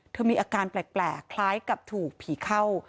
มีอาการแปลกคล้ายกับถูกผีเข้า